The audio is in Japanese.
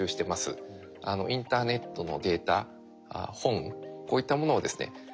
インターネットのデータ本こういったものをですね